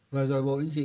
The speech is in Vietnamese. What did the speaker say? vừa rồi bộ chính trị